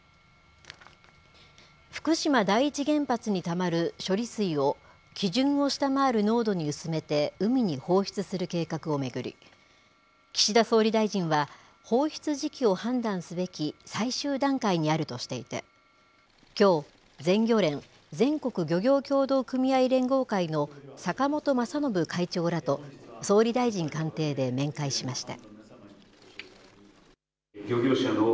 福島第一原発にたまる処理水を基準を下回る濃度に薄めて海に放出する計画を巡り、岸田総理大臣は、放出時期を判断すべき最終段階にあるとしていて、きょう、全漁連・全国漁業協同組合連合会の坂本雅信会長らと総理大臣官邸で面会しました。